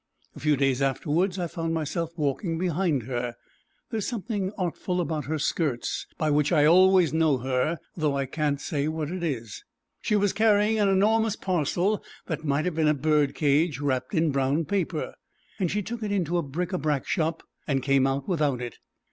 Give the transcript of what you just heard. A few days afterward I found myself walking behind her. There is something artful about her skirts by which I always know her, though I can't say what it is. She was carrying an enormous parcel that might have been a bird cage wrapped in brown paper, and she took it into a bric a brac shop and came out without it.